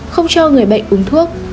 một không cho người bệnh uống thuốc